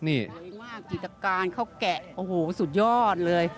โอโห่ธจกรรมเข้าแกะสุดยอดเลย